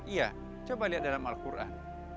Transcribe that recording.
iya coba lihat dalam al quran